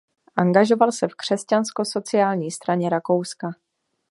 Angažoval se v Křesťansko sociální straně Rakouska.